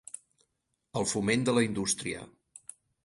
El foment de la indústria.